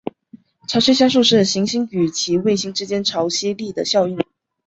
潮汐加速是行星与其卫星之间潮汐力的效应。